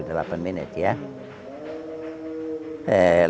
tidak lama itu delapan menit ya